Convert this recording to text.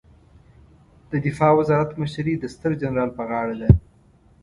د دفاع وزارت مشري د ستر جنرال په غاړه ده